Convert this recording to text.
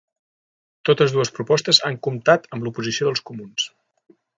Totes dues propostes han comptat amb l'oposició dels comuns.